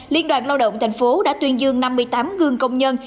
liên đoàn lao động tp hcm đã tuyên dương năm mươi tám gương công nhân